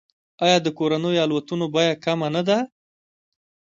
آیا د کورنیو الوتنو بیه کمه نه ده؟